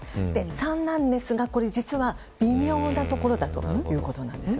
３なんですが実は、微妙なところだということです。